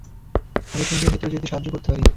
আমি তোমাকে ভিতরে যেতে সাহায্য করতে পারি।